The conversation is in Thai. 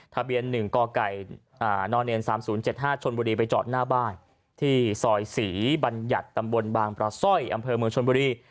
ทะเบียน๑กน๓๐๗๕ชนบุรีไปจอดหน้าบ้านที่ซอยศรีบัญญัติตำบลบางประสร้อยอำเภอเมืองชนบุรี